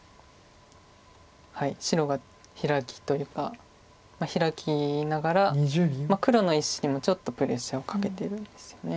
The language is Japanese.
白がヒラキというかヒラきながら黒の石にもちょっとプレッシャーをかけてるんですよね。